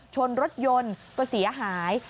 ชนรถยนต์ก็เสียหาย